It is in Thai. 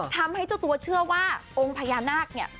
ทำให้เจ้าตัวเชื่อว่าองค์พญานาคเนี่ย